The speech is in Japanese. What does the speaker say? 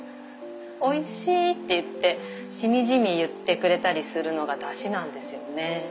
「おいしい」って言ってしみじみ言ってくれたりするのがだしなんですよね。